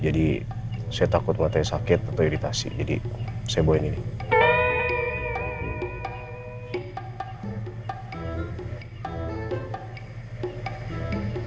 jadi saya takut matanya sakit atau iritasi jadi saya bawa ini nih